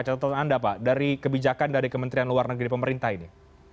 catatan anda pak dari kebijakan dari kementerian luar negeri pemerintah ini